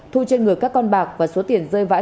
thu trên người các con bạc và số tiền rơi vãi